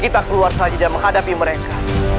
kita keluar saja dan menghadapi mereka